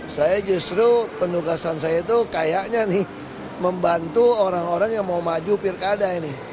saya justru penugasan saya itu kayaknya nih membantu orang orang yang mau maju pilkada ini